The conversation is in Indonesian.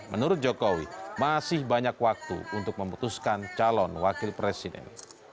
menurut jokowi masih banyak waktu untuk memutuskan calon wakil presiden